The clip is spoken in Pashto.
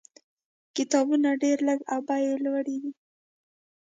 کتابونه ډېر لږ او بیې یې لوړې وې.